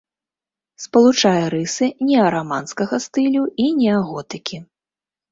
Спалучае рысы неараманскага стылю і неаготыкі.